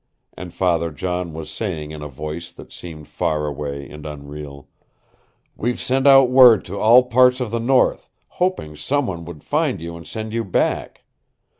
And Father John was saying in a voice that seemed far away and unreal: "We've sent out word to all parts of the north, hoping someone would find you and send you back.